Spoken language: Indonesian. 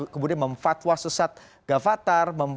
kemudian memfatwa sesat gavatar